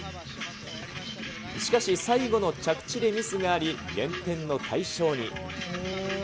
しかし、最後の着地でミスがあり、減点の対象に。